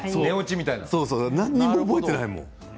何も覚えてないもん。